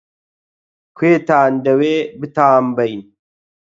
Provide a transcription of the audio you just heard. -کوێتان دەوێ بتانبەین؟